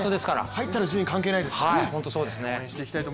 入ったら順位関係ないですから。